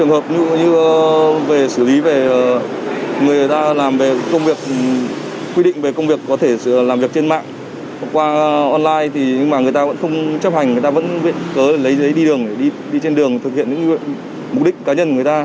học qua online thì nhưng mà người ta vẫn không chấp hành người ta vẫn cố lấy giấy đi đường để đi trên đường thực hiện những mục đích cá nhân của người ta